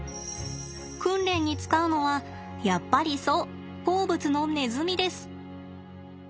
訓練に使うのはやっぱりそう好物のネズミです。